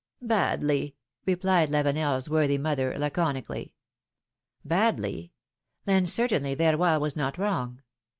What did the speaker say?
Badly !" replied Lavenel's worthy mother, laconically. Badly ! Then, certainly, Verroy was not wrong.